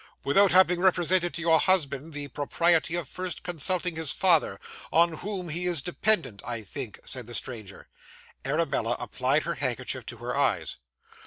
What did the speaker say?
'Without having represented to your husband the propriety of first consulting his father, on whom he is dependent, I think?' said the stranger. Arabella applied her handkerchief to her eyes.